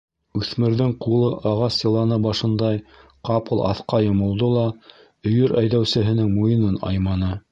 Үҫмерҙең ҡулы ағас йыланы башындай ҡапыл аҫҡа йомолдо ла өйөр әйҙәүсеһенең муйынын айманы.